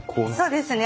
そうですね。